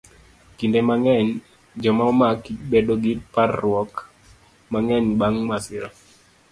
Kinde mang'eny, joma omaki bedo gi parruok mang'eny bang' masira.